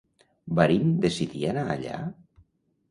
Barint decidí anar allà?